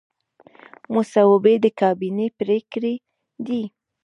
مصوبې د کابینې پریکړې دي